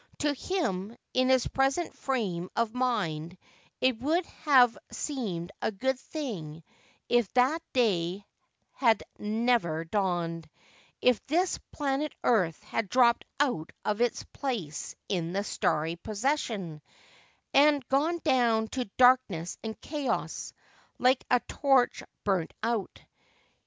To him, in his present frame of mind, it would have seemed a good thing if that day had never dawned ; if this planet Earth had dropped out of its place in the starry procession, and gone down to darkness and chaos, like a torch burnt out.